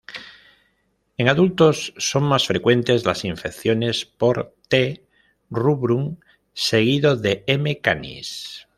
En adultos son más frecuentes las infecciones por T. rubrum seguido de M. canis.